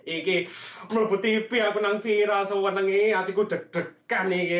ini melalui tv aku viral semua ini hatiku deg degan ini